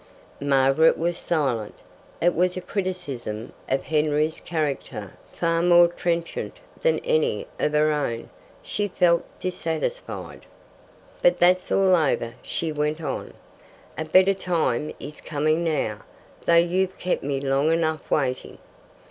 Margaret was silent. It was a criticism of Henry's character far more trenchant than any of her own. She felt dissatisfied. "But that's all over," she went on. "A better time is coming now, though you've kept me long enough waiting.